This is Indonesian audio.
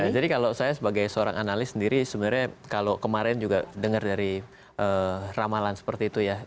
jadi kalau saya sebagai seorang analis sendiri sebenarnya kalau kemarin juga dengar dari ramalan seperti itu ya